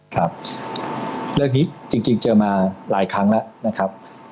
ครับเรื่องนี้จริงเจอมาหลายครั้งแล้วนะครับ